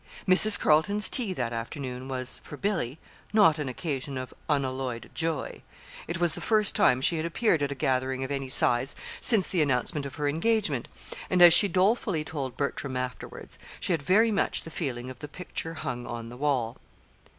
Mrs. Carleton's tea that afternoon was, for Billy, not an occasion of unalloyed joy. It was the first time she had appeared at a gathering of any size since the announcement of her engagement; and, as she dolefully told Bertram afterwards, she had very much the feeling of the picture hung on the wall.